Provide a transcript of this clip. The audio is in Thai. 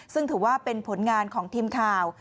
ซึ่งถือว่าเป็นผลงานของทีมข่าว